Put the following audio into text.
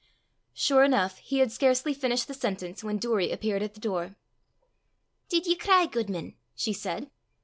Sure enough, he had scarcely finished the sentence, when Doory appeared at the door. "Did ye cry, guidman?" she said.